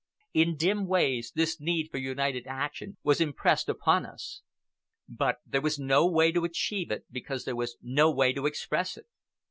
In dim ways this need for united action was impressed upon us. But there was no way to achieve it because there was no way to express it.